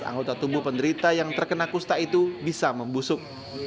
anggota tubuh penderita yang terkena kusta itu bisa membusuk